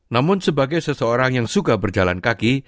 namun sebagai seseorang yang suka berjalan kaki